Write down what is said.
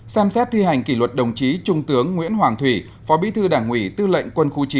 ba xem xét thi hành kỷ luật đồng chí trung tướng nguyễn hoàng thủy phó bí thư đảng ủy tư lệnh quân khu chín